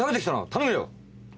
頼むよ。